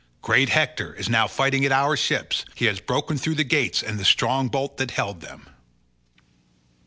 Great Hector is now fighting at our ships; he has broken through the gates and the strong bolt that held them."